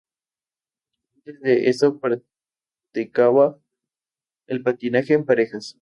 Antes de eso practicaba el patinaje en parejas.